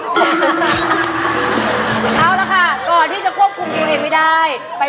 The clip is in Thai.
เอาละค่ะก่อนที่จะควบคุมตัวเองไม่ได้